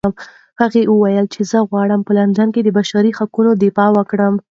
هغې وویل چې زه غواړم په لندن کې د بشري حقونو دفاع وکړم.